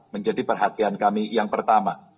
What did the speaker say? menjadi perhatian kami yang pertama